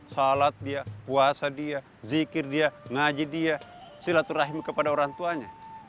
salat dia puasa dia zikir dia ngaji dia silaturahim kepada orang tuanya